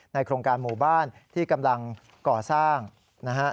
โครงการหมู่บ้านที่กำลังก่อสร้างนะฮะ